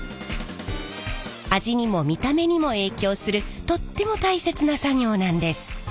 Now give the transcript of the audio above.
味にも見た目にも影響するとっても大切な作業なんです。